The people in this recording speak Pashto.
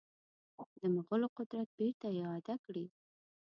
د مغولو قدرت بیرته اعاده کړي.